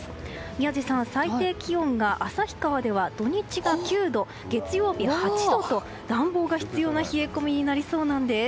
宮司さん、最低気温が旭川では土日が９度月曜日８度と暖房が必要な冷え込みになりそうなんです。